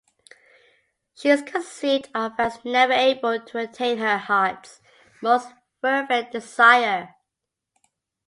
She is conceived of as never able to attain her heart's most fervent desire.